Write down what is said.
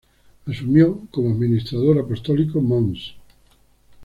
Asumió como Administrador Apostólico mons.